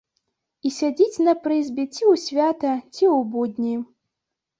І сядзіць на прызбе ці ў свята, ці ў будні.